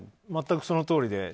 全くそのとおりで。